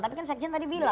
tapi kan sekjen tadi bilang